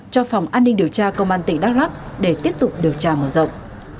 cho phòng an ninh điều tra công an tỉnh đắk lắc để tiếp tục điều tra mở rộng